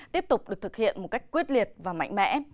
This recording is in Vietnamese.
tiếp tục được thực hiện một cách quyết liệt và mạnh mẽ